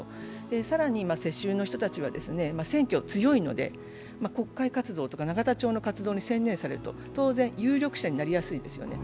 更に、世襲の人たちは選挙に強いので、国会活動とか永田町の活動に専念されると当然、有力者になりやすいですよね